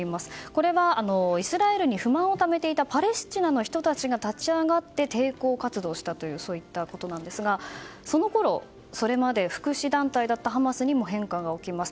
これはイスラエルに不満をためていたパレスチナの人たちが立ち上がって抵抗活動をしたということなんですがその頃、それまで福祉団体だったハマスにも変化が起きます。